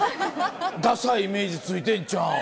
ダサいイメージついてんちゃうん？